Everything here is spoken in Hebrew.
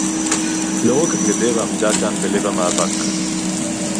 לא רק הגדר עמדה כאן בלב המאבק